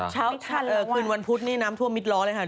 เช้าไม่ทันแล้วอ่ะคืนวันพุธนี่น้ำทั่วมิดล้อเลยค่ะ